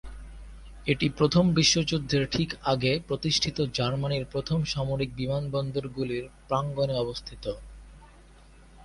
এটি প্রথম বিশ্বযুদ্ধের ঠিক আগে প্রতিষ্ঠিত জার্মানির প্রথম সামরিক বিমানবন্দরগুলির প্রাঙ্গনে অবস্থিত।